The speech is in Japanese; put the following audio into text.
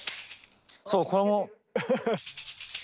そうこれも。